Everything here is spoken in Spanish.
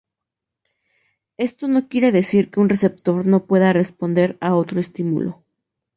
Esto no quiere decir que un receptor no pueda responder a otro estimulo.